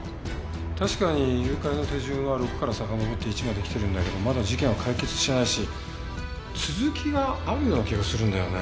確かに誘拐の手順は６からさかのぼって１まで来てるんだけどまだ事件は解決してないし続きがあるような気がするんだよね。